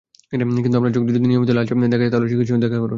কিন্তু আপনার চোখ যদি নিয়মিতই লালচে দেখায় তাহলে চিকিৎসকের সঙ্গে দেখা করুন।